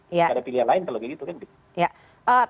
tidak ada pilihan lain kalau begitu kan